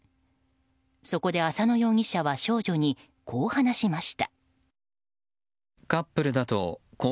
そこで浅野容疑者は少女にこう話しました。